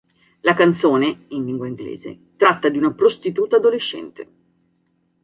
La canzone, in lingua inglese, tratta di una prostituta adolescente.